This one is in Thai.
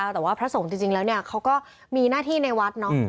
แต่ว่าพระสงฆ์จริงแล้วเขาก็มีหน้าที่ในวัดเนาะ